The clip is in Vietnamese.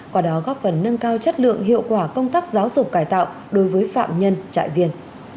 quả đó góp phần nâng cao chất lượng hiệu quả công tác giáo dục cải tạo đối với phạm nhân trại viên